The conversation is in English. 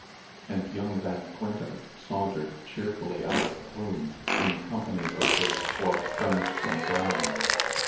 And young Van Quintem sauntered cheerfully out of the room, in company with his four friends from Brown's.